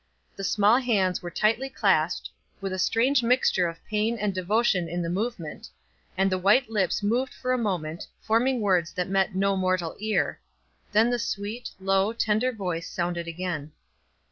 The small hands were tightly clasped, with a strange mixture of pain and devotion in the movement, and the white lips moved for a moment, forming words that met no mortal ear then the sweet, low, tender voice sounded again.